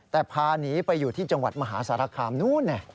แต่พาหนีไปอยู่ที่จังหวัดมหาสารคามนู้น